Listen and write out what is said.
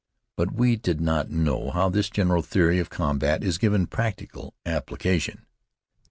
But we did not know how this general theory of combat is given practical application.